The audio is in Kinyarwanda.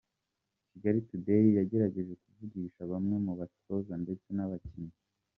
Kigali Today yagerageje kuvugisha bamwe mu batoza ndetse n’abakinnyi.